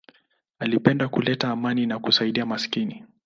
Alipenda kuleta amani na kusaidia maskini.